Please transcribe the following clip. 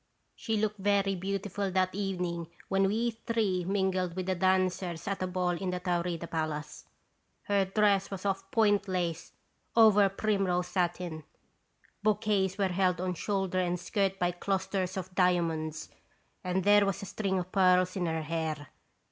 She looked very beautiful that evening when we three mingled with the dancers at a ball in the Taurida Palace; her dress was of point lace, over primrose satin ; bouquets were held on shoulder and skirt by clusters of diamonds, and there was a string of pearls in her hair.